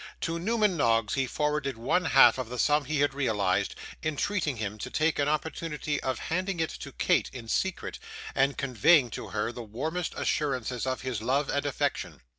To Newman Noggs he forwarded one half of the sum he had realised, entreating him to take an opportunity of handing it to Kate in secret, and conveying to her the warmest assurances of his love and affection.